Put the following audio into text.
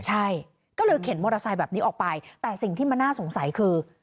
ใช่ก็เลยเข็นมอเตอร์ไซค์แบบนี้ออกไปแต่สิ่งที่มันน่าสงสัยคือ